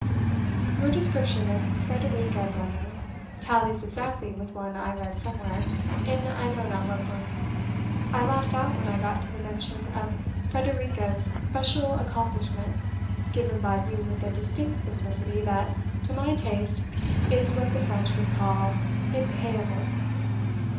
"Your description of Frederika Bremer tallies exactly with one I read somewhere, in I know not what book. I laughed out when I got to the mention of Frederika's special accomplishment, given by you with a distinct simplicity that, to my taste, is what the French would call 'impayable.'